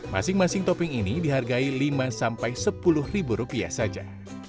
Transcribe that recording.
masing masing topping ini dihargai lima sepuluh rupiah saja